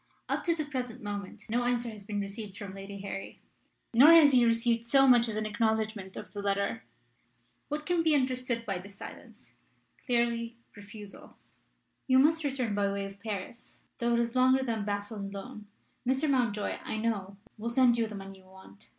Up to the present moment no answer has been received from Lady Harry. Nor has he received so much as an acknowledgment of the letter. What can be understood by this silence? Clearly, refusal. "You must return by way of Paris, though it is longer than by Basle and Laon. Mr. Mountjoy, I know, will send you the money you want.